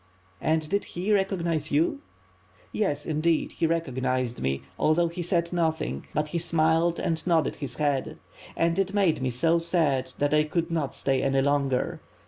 "And did he recognize you?" "Yes, indeed, he recognized me, although he said nothing; but he smiled and nodded his head. And it made me so sad that I could not stay any longer.